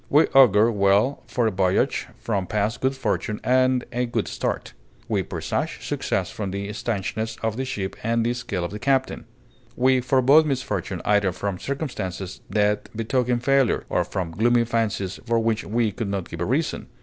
We augur well for a voyage from past good fortune and a good start; we presage success from the stanchness of the ship and the skill of the captain. We forebode misfortune either from circumstances that betoken failure, or from gloomy fancies for which we could not give a reason.